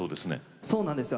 そうなんですよ。